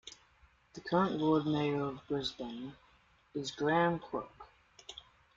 The current Lord Mayor of Brisbane is Graham Quirk.